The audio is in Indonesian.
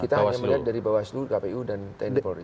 kita hanya melihat dari bawaslu kpu dan tenggara